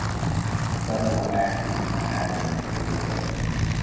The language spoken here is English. Several accidents happened this way.